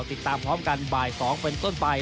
ติดตามพร้อมกันบ่าย๒เป็นต้นไป